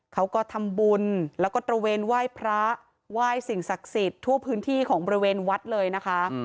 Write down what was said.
เขาก็ทำบุญแล้วก็ตระเวนไหว้พระไหว้สิ่งศักดิ์สิทธิ์ทั่วพื้นที่ของบริเวณวัดเลยนะคะ